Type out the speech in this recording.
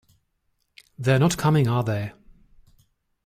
They're not coming, are they?